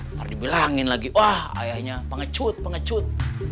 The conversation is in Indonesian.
ntar dibilangin lagi wah ayahnya pengecut pengecut